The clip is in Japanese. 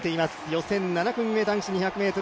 予選７組目、男子２００ｍ。